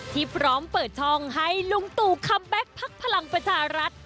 ที่พร้อมเปิดช่องให้ลุงตู่คัมแบ็คพักพลังประชารัฐ